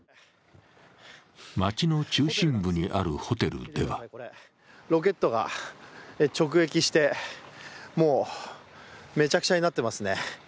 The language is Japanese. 街の中心部にあるホテルではロケットが直撃してもうめちゃくちゃになってますね。